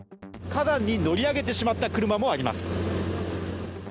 花壇に乗り上げてしまった車もあります。